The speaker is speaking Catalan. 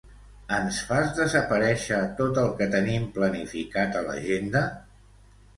Ens fas desaparèixer tot el que tenim planificat a l'agenda?